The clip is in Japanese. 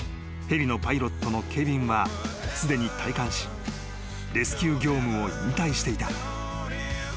ヘリのパイロットのケビンはすでに退官しレスキュー業務を引退していた］